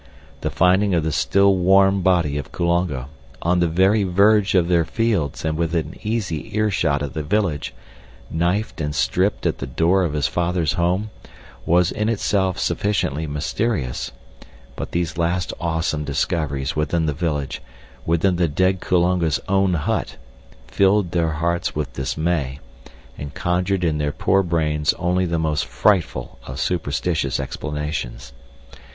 The finding of the still warm body of Kulonga—on the very verge of their fields and within easy earshot of the village—knifed and stripped at the door of his father's home, was in itself sufficiently mysterious, but these last awesome discoveries within the village, within the dead Kulonga's own hut, filled their hearts with dismay, and conjured in their poor brains only the most frightful of superstitious explanations.